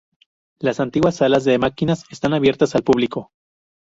Las antiguas salas de máquinas están abiertas al público.